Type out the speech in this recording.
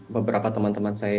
beberapa teman teman saya